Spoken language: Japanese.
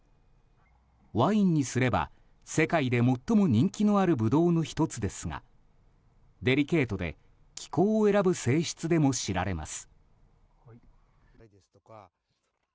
ワインにすれば世界で最も人気のあるブドウの１つですがデリケートで気候を選ぶ性質でも知られます。